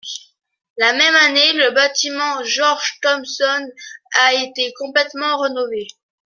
La même année le bâtiment George Thomson a été complètement rénové.